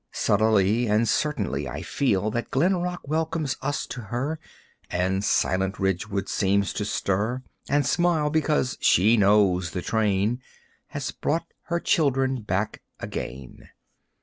Subtly and certainly I feel That Glen Rock welcomes us to her And silent Ridgewood seems to stir And smile, because she knows the train Has brought her children back again.